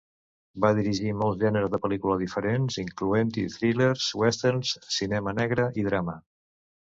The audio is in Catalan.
Va dirigir molts gèneres de pel·lícula diferents incloent-hi thrillers, westerns, cinema negre, i drama.